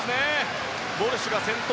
ウォルシュが先頭。